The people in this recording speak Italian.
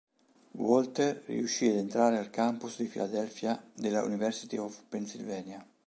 Walter riuscì ad entrare al campus di Filadelfia della University of Pennsylvania.